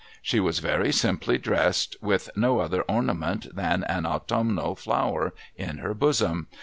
She was very simply dressed, with no other ornament than an autumnal flower in her bosom.